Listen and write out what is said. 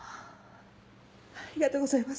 ありがとうございます。